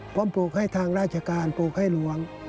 ผมปลูกให้ทางราชการปลูกให้หลวง